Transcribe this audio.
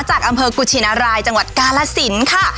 จากอำเภอกุชินารายจังหวัดกาลสินค่ะ